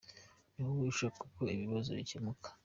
Ni wowe ushaka ko ibibazo bikemuka.